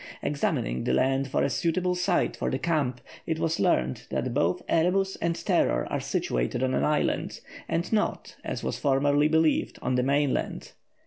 Examining the land for a suitable site for the camp, it was learned that both Erebus and Terror are situated on an island, and not, as was formerly believed, on the mainland.